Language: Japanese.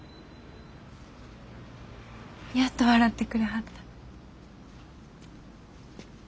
やっと笑ってくれはった。